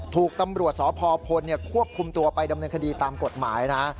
ถูกตำรวจสพพลควบคุมตัวไปดำเนินคดีตามกฎหมายนะ